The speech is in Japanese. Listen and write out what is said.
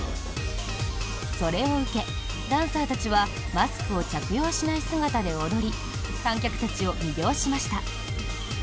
それを受け、ダンサーたちはマスクを着用しない姿で踊り観客たちを魅了しました。